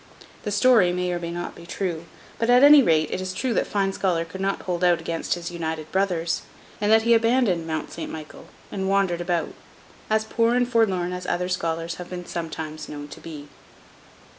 The story may or may not be true; but at any rate it is true that Fine Scholar could not hold out against his united brothers, and that he abandoned Mount St. Michael, and wandered about—as poor and forlorn as other scholars have been sometimes known to be.